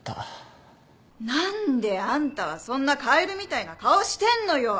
何であんたはそんなカエルみたいな顔してんのよ